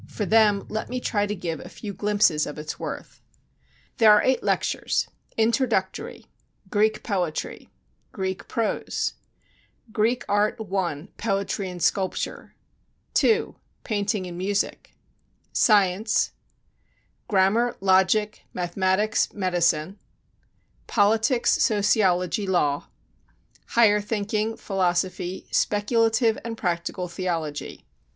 For them let me try to give a few glimpses of its worth. There are eight lectures: Introductory; Greek Poetry; Greek Prose; Greek Art I: Poetry and Sculpture; II: Painting and Music; Science; Grammar, Logic, Mathematics, Medicine; Politics, Sociology, Law; Higher Thinking, Philosophy, Speculative and Practical Theology.